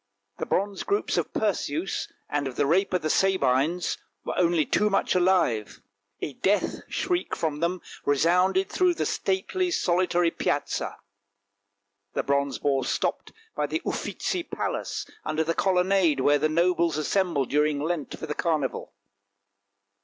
The bronze groups of Perseus, and of the Rape of the Sabines, were only too much alive; a death shriek from them resounded through the stately, solitary, Piazza. The bronze boar stopped by the Uffizi palace under the colonnade where the nobles assemble during Lent for the carnival.